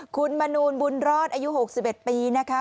คุณมนูลบุญรอดอายุ๖๑ปีนะคะ